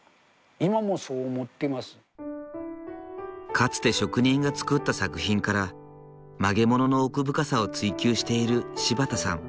かつて職人が作った作品から曲げ物の奥深さを追求している柴田さん。